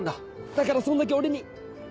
だからそんだけ俺に。